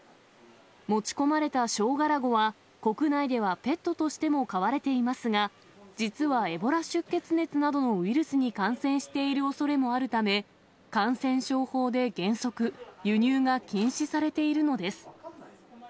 持ち込まれたショウガラゴは、国内ではペットとしても飼われていますが、実はエボラ出血熱などのウイルスに感染しているおそれもあるため、感染症法で原則、輸入が禁止されているのです。